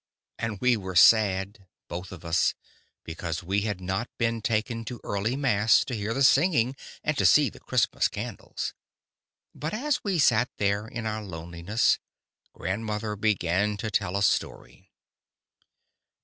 And we were sad, both of us, because we had not been taken to early mass to hear the singing and to see the Christmas candles. But as we sat there in our loneliness, grandmother began to tell a story.